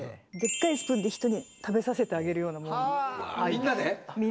みんなで。